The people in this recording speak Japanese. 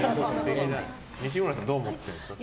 西村さんはどう思ってるんですか。